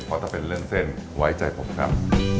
เพราะถ้าเป็นเรื่องเส้นไว้ใจผมครับ